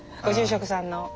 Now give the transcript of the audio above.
ご住職さんの。